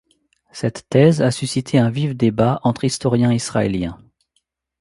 Cette thèse a suscité un vif débat entre historiens Israéliens.